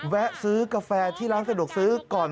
แวะซื้อกาแฟที่ร้านสะดวกซื้อก่อน